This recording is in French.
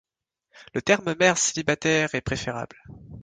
Le terme mère célibataire est préférable.